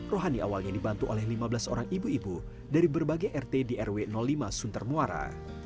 rohani awalnya dibantu oleh lima belas orang ibu ibu dari berbagai rt di rw lima suntar muara